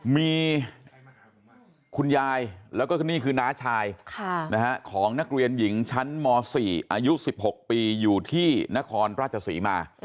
มีคุณยายและน้าชายของนักเรียนหญิงชั้นมศอยู่ที่หราชสี่